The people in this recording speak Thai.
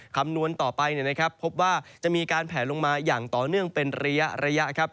คำนวณต่อไปพบว่าจะมีการแผลลงมาอย่างต่อเนื่องเป็นระยะครับ